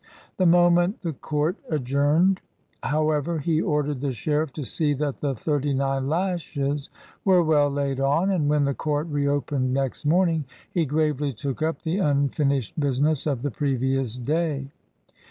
The moment the court adjourned, however, he ordered the sheriff to see that the thirty nine lashes were well laid on, and when the court reopened next morning, he gravely took up the unfinished business of the previous day.